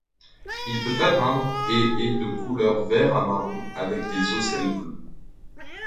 Il peut atteindre et est de couleur vert à marron avec des ocelles bleues.